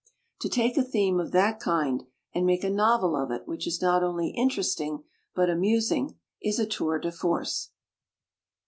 To take a theme of that kind and make a novel of it which is not only interesting but amusing, is a tour de force.